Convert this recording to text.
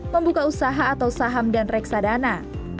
membuka usaha atau saham dan reksa dana